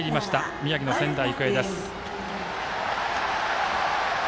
宮城の仙台育英。